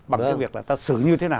bằng cái việc là ta xử như thế nào